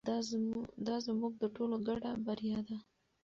دا زموږ د ټولو ګډه بریا ده.